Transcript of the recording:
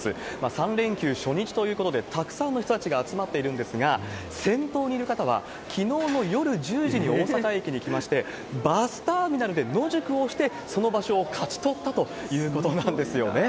３連休初日ということで、たくさんの人たちが集まっているんですが、先頭にいる方はきのうの夜１０時に大阪駅に来まして、バスターミナルで野宿をして、その場所を勝ち取ったということなんですよね。